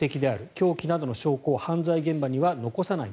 凶器などの証拠を犯罪現場に残さない。